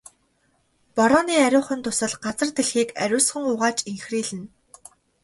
Борооны ариухан дусал газар дэлхийг ариусган угааж энхрийлнэ.